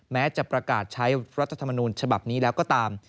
แม้จะประกาศใช้รัฐธรรมนูญฉบับนี้แล้วก็ตาม